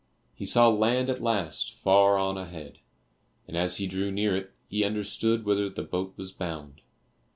He saw land at last far on a head, and as he drew near it he understood whither the boat was bound.